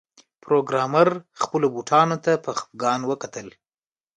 پروګرامر خپلو بوټانو ته په خفګان وکتل